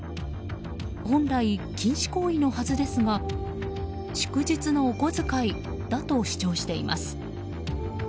本来、禁止行為のはずですが祝日のお小遣いだと主張しています。